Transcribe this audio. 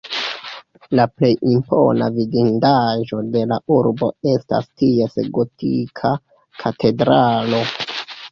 La plej impona vidindaĵo de la urbo estas ties gotika katedralo.